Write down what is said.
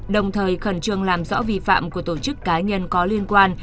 đồng thời khẩn trương làm rõ vi phạm của tổ chức cá nhân có liên quan